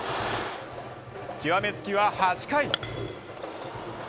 きわめつきは８回。